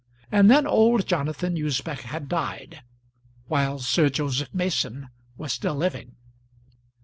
And then old Jonathan Usbech had died, while Sir Joseph Mason was still living.